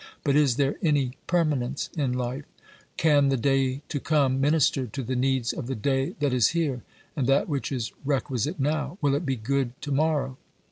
But is there any permanence in life ? Can the day to come minister to the needs of the day that is here, and that which is requisite now, will it be good to morrow?